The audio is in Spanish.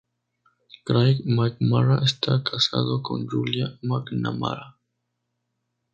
Craig McNamara está casado con Julia McNamara.